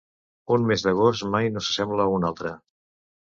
Un mes d'agost mai no s'assembla a un altre.